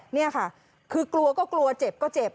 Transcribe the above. นี่ค่ะคือกลัวก็กลัวเจ็บก็เจ็บ